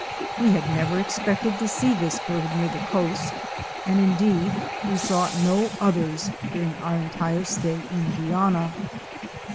We had never expected to see this bird near the coast and indeed we saw no others during our entire stay in Guiana.